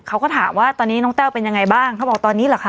เขาก็ถามว่าตอนนี้น้องแต้วเป็นยังไงบ้างเขาบอกตอนนี้เหรอคะ